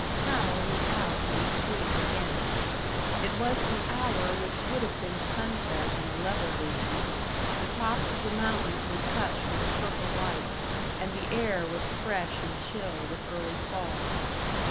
Hal went out on the street again. It was the hour which would have been sunset in a level region; the tops of the mountains were touched with a purple light, and the air was fresh and chill with early fall.